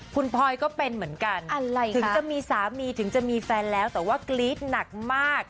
คุณพลอยก็เป็นเหมือนกันถึงจะมีสามีถึงจะมีแฟนแล้วแต่ว่ากรี๊ดหนักมาก